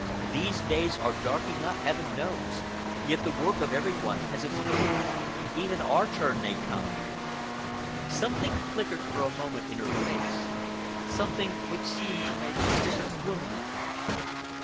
"These days are dark enough, Heaven knows, yet the work of every one has its goal. Even our turn may come." Something flickered for a moment in her face, something which seemed to make a different woman of her.